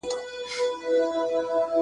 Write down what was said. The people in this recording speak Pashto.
پر بنده باندي هغه ګړی قیامت وي !.